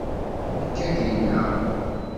Ikad yella.